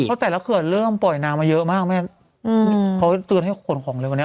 เพราะแต่ละเขื่อนเริ่มปล่อยนางมาเยอะมากแม่อืมเขาเตือนให้ขนของเร็วกว่านี้